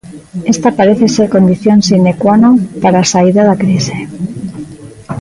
Esta parece ser condición sine qua non para a saída da crise.